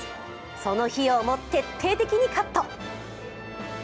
その費用も徹底的にカット！